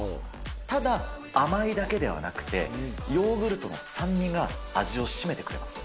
ただ甘いだけではなくて、ヨーグルトの酸味が味を締めてくれます。